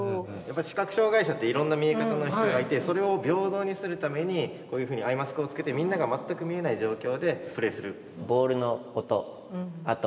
視覚障害者っていろんな見え方の人がいてそれを平等にするためにこういうふうにアイマスクをつけてみんなが全く見えない状況でプレーする。